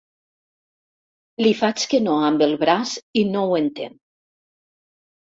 Li faig que no amb el braç i no ho entén.